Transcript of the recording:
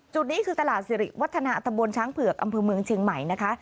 จุดนี้คือตลาดสิริวัฒนาตำบลช้างเผือกอำเภอเมืองเชียงใหม่นะคะ